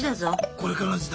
これからの時代？